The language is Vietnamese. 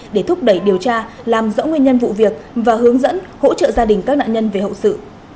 để thúc đẩy điều tra làm rõ nguyên nhân vụ việc và hướng dẫn hỗ trợ gia đình các nạn nhân về hậu sự